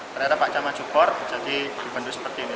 ternyata pak camar cukur jadi dipendu seperti ini